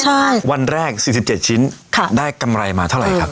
ใช่วันแรก๔๗ชิ้นได้กำไรมาเท่าไรครับ